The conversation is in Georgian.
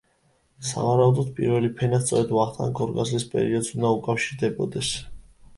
სავარაუდოდ, პირველი ფენა სწორედ ვახტანგ გორგასლის პერიოდს უნდა უკავშირდებოდეს.